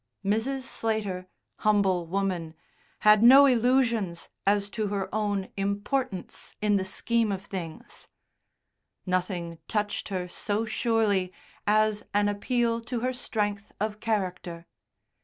Mrs. Slater, humble woman, had no illusions as to her own importance in the scheme of things; nothing touched her so surely as an appeal to her strength of character.